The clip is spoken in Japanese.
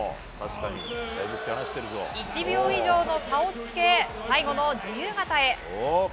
１秒以上の差をつけ最後の自由形へ。